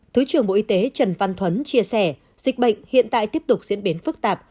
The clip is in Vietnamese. thứ trưởng bộ y tế trần văn thuấn chia sẻ dịch bệnh hiện tại tiếp tục diễn biến phức tạp